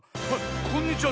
こんにちは